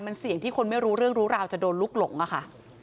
มันเสี่ยงที่คนไม่รู้เรื่องรู้ราวจะโดนลุกหลงอะค่ะ